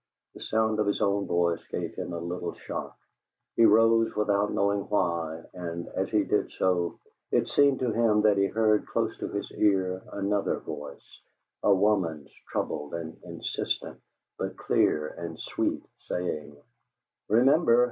The sound of his own voice gave him a little shock; he rose without knowing why, and, as he did so, it seemed to him that he heard close to his ear another voice, a woman's, troubled and insistent, but clear and sweet, saying: "REMEMBER!